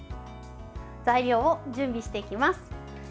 材料を準備していきます。